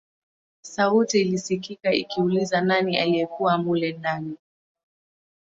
Sauti ilisikika ikiuliza nani aliyekuwa mule ndani